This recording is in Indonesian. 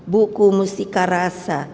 buku musika rasa